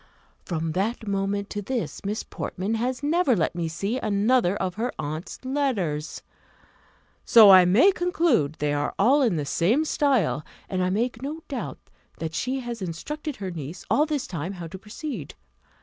From that moment to this, Miss Portman has never let me see another of her aunt's letters. So I may conclude they are all in the same style; and I make no doubt that she has instructed her niece, all this time, how to proceed.